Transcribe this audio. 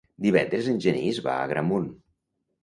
Divendres en Genís va a Agramunt.